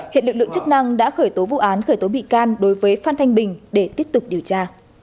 hiện lực lượng chức năng đã khởi tố vụ án khởi tố bị can đối với phan thanh bình để tiếp tục điều tra